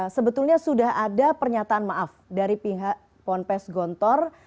sebetulnya sudah ada pernyataan maaf dari pihak pondok pesantren modern darussalam gontor